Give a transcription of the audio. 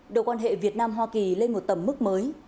đưa quan hệ việt nam hoa kỳ lên một tầm mức mới